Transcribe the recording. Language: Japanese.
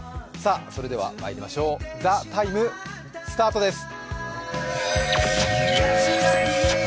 それではまいりましょう、「ＴＨＥＴＩＭＥ，」スタートです。